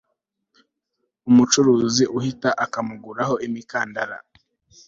umucuruzi uhita akamuguraho imikandara